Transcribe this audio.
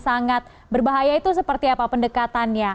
sangat berbahaya itu seperti apa pendekatannya